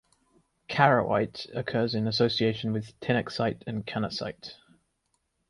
Charoite occurs in association with tinaksite and canasite.